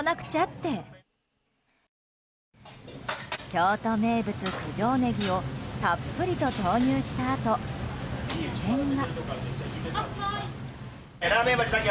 京都名物、九条ネギをたっぷりと投入したあと異変が。